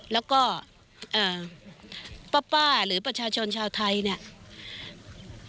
แล้วก็ป้าหรือประชาชนชาวไทยเนี่ย